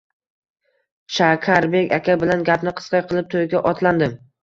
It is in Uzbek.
Shakarbek aka bilan gapni qisqa qilib, to`yga otlandim